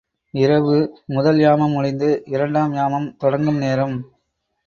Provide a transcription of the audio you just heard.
இரவு முதல் யாமம் முடிந்து, இரண்டாம் யாமம் தொடங்கும் நேரம்.